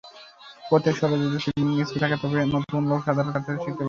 প্রত্যেক শহরে যদি সুইমিং স্কুল থাকে, তবে অনেক লোক সাঁতার শিখতে পারবে।